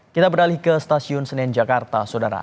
kita beralih ke stasiun senen jakarta saudara